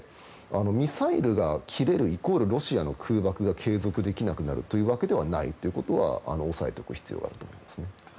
ミサイルが切れるイコールロシアの空爆が継続できなくなるというわけではないということは抑えておく必要があると思いますね。